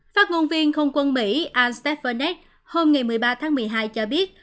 phát ngôn viên không quân mỹ al stephenech hôm một mươi ba tháng một mươi hai cho biết